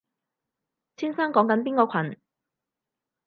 先生講緊邊個群？